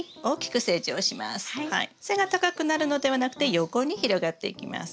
背が高くなるのではなくて横に広がっていきます。